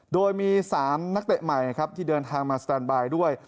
โดยมี๓นักเตะใหม่ครับที่เดินทางมาสแตนบายด้วย